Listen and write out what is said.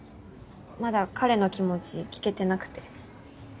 まだ彼の気持ち聞けてなくて。